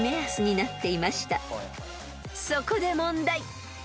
［そこで問題］